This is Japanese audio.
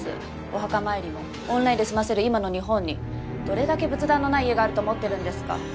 お墓参りもオンラインで済ませる今の日本にどれだけ仏壇のない家があると思ってるんですか